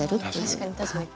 確かに確かに。